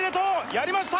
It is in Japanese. やりました